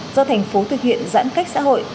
do thành phố thực hiện giãn cách xã hội